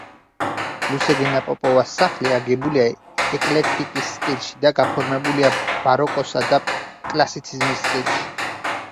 ლუსეგენა პოპოვას სახლი აგებულია ეკლექტიკის სტილში და გაფორმებულია ბაროკოსა და კლასიციზმის სტილში.